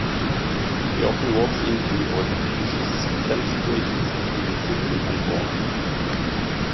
He often walks into or defuses tense situations between Sydney and Vaughn.